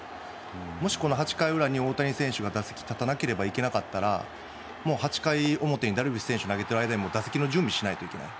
もしこの８回裏に大谷選手が打席に立たなければいけなかったら８回表にダルビッシュ選手が投げている間に打席の準備をしないといけない。